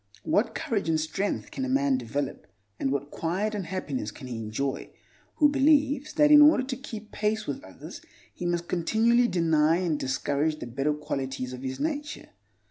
What courage and strength can a man develop, and what quiet and happiness can he enjoy, who believes that in order to keep pace with others he must continually deny and discourage the better qualities of his nature?